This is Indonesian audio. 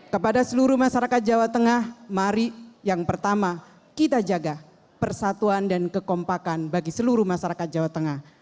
kepada seluruh masyarakat jawa tengah mari yang pertama kita jaga persatuan dan kekompakan bagi seluruh masyarakat jawa tengah